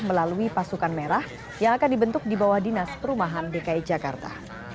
melalui pasukan merah yang akan dibentuk di bawah dinas perumahan dki jakarta